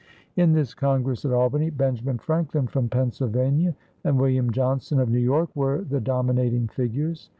In this congress at Albany, Benjamin Franklin from Pennsylvania and William Johnson of New York were the dominating figures.